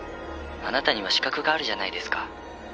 「あなたには資格があるじゃないですか」